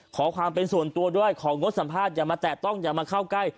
ขอความเป็นส่วนตัวด้วยของงดสัมภาษณอย่ามาแตะต้องอย่ามาเข้าใกล้